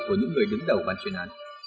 của những người đứng đầu bản chuyên án